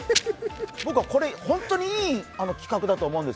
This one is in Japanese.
僕は、これ本当にいい企画だと思うんです！